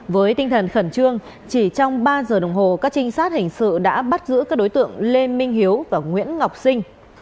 với tinh thần khẩn trương chỉ trong ba giờ đồng hồ các trinh sát hình sự đã bắt giữ các đối tượng lê minh hiếu và nguyễn ngọc sinh